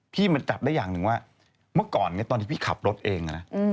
พี่มันจับได้อย่างหนึ่งว่าเมื่อก่อนตอนที่พี่ขับรถเองนะ